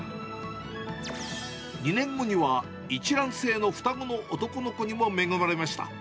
２年後には、一卵性の双子の男の子にも恵まれました。